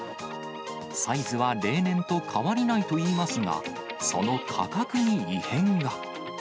サイズは例年と変わりないといいますが、その価格に異変が。